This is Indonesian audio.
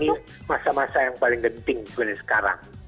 jadi ini masa masa yang paling penting gitu sekarang